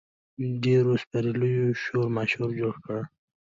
ډېرو سپرلیو شورماشور جوړ کړ.